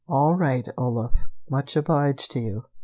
"All right, Olaf. Much obliged to you.